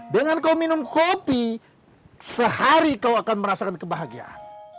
dengan kau minum kopi sehari kau akan merasakan kebahagiaan